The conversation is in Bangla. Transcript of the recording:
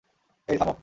এই, থামো।